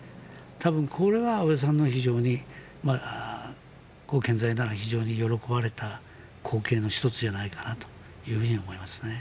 多分、これは安倍さんがご健在なら非常に喜ばれた光景の１つじゃないかなと思います。